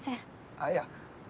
あぁいや。